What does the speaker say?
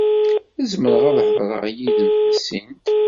Zemreɣ ad hedreɣ yid-m tasint?